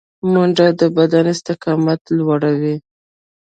منډه د بدن استقامت لوړوي